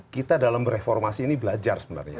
kita dalam bereformasi ini belajar sebenarnya